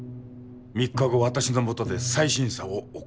３日後私のもとで再審査を行う。